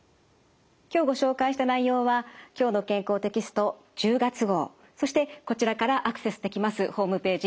今日ご紹介した内容は「きょうの健康」テキスト１０月号そしてこちらからアクセスできますホームページ